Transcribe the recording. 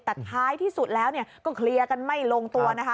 แต่ท้ายที่สุดแล้วก็เคลียร์กันไม่ลงตัวนะคะ